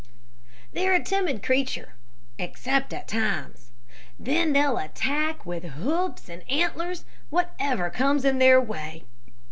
"They're a timid creature except at times. Then they'll attack with hoofs and antlers whatever comes in their way.